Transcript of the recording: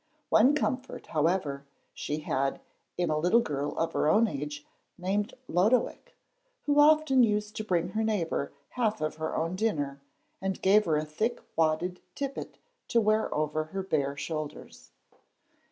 One comfort, however, she had, in a little girl of her own age, named Lodowick, who often used to bring her neighbour half of her own dinner, and gave her a thick wadded tippet to wear over her bare shoulders.